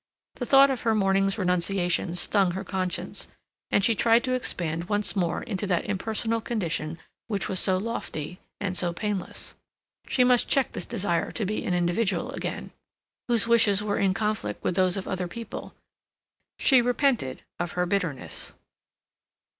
The thought of her morning's renunciation stung her conscience, and she tried to expand once more into that impersonal condition which was so lofty and so painless. She must check this desire to be an individual again, whose wishes were in conflict with those of other people. She repented of her bitterness.